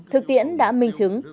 thực tiễn đã minh chứng